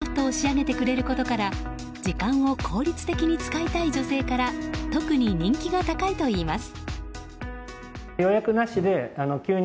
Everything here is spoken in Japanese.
およそ２０分という短時間でカットを仕上げてくれることから時間を効率的に使いたい女性から特に人気が高いといいます。